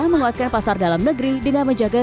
menguatkan pasar dalam negeri dengan menjaga